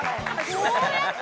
どうやって？